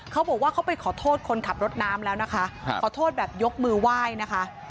เขาบอกว่าเขาไปขอโทษคนขับรถน้ำแล้วนะคะขอโทษแบบยกมือไหว้นะคะ